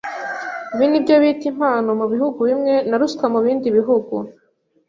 Ibi nibyo bita 'impano' mubihugu bimwe na 'ruswa' mubindi bihugu.